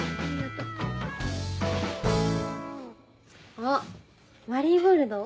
あっマリーゴールド？